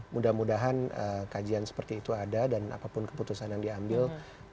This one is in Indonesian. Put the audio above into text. mudah mudahan kajian seperti itu ada dan apapun keputusan yang diambil